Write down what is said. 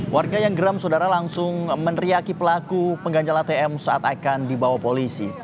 warga yang geram saudara langsung meneriaki pelaku pengganjal atm saat akan dibawa polisi